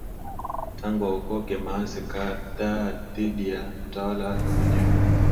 tangu aokoke maasi kadhaa dhidi ya utawala wake mwenyewe